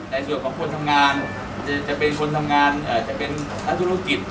ในส่วนของคนทำงานจะเป็นคนทำงานอาจจะเป็นนักธุรกิจ